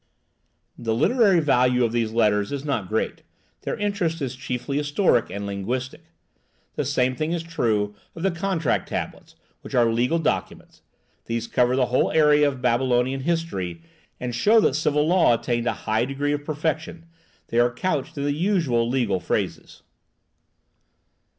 The literary value of these letters is not great; their interest is chiefly historic and linguistic. The same thing is true of the contract tablets, which are legal documents: these cover the whole area of Babylonian history, and show that civil law attained a high state of perfection; they are couched in the usual legal phrases.